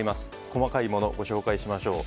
細かいものをご紹介しましょう。